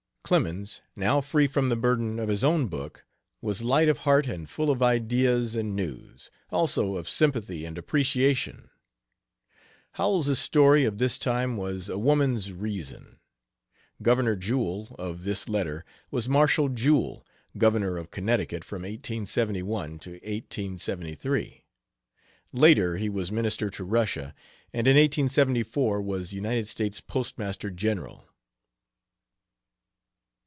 Clemens, now free from the burden of his own book, was light of heart and full of ideas and news; also of sympathy and appreciation. Howells's story of this time was "A Woman's Reason." Governor Jewell, of this letter, was Marshall Jewell, Governor of Connecticut from 1871 to 1873. Later, he was Minister to Russia, and in 1874 was United States Postmaster General.